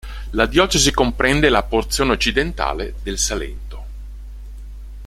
La diocesi comprende la porzione occidentale del Salento.